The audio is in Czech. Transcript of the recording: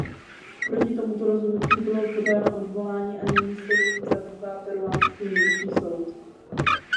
Proti tomuto rozhodnutí bylo podáno odvolání a nyní se jím zabývá peruánský nejvyšší soud.